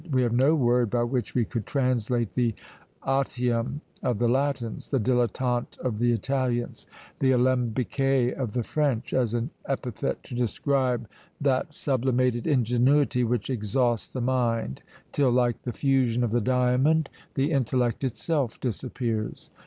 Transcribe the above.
We have no word by which we could translate the otium of the Latins, the dillettante of the Italians, the alembiqué of the French, as an epithet to describe that sublimated ingenuity which exhausts the mind, till, like the fusion of the diamond, the intellect itself disappears.